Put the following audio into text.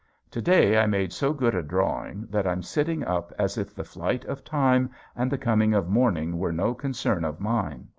To day I made so good a drawing that I'm sitting up as if the flight of time and the coming of morning were no concern of mine.